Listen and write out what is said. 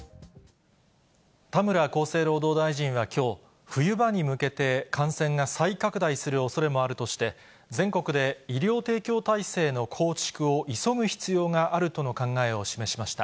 田村厚生労働大臣はきょう、冬場に向けて感染が再拡大するおそれもあるとして、全国で医療提供体制の構築を急ぐ必要があるとの考えを示しました。